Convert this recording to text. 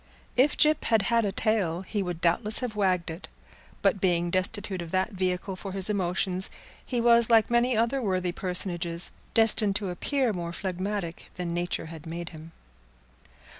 If Gyp had had a tail he would doubtless have wagged it, but being destitute of that vehicle for his emotions, he was like many other worthy personages, destined to appear more phlegmatic than nature had made him.